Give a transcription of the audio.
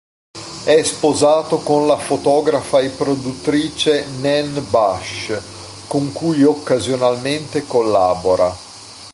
È sposato con la fotografa e produttrice Nan Bush, con cui occasionalmente collabora.